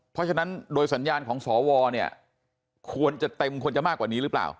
เพราะฉะนั้นโดยสัญญาณของสวเนี่ยควรจะเต็มควรจะมากกว่านี้หรือเปล่า